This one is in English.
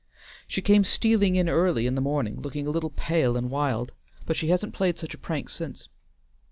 She came stealing in early in the morning, looking a little pale and wild, but she hasn't played such a prank since.